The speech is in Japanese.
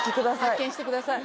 発見してください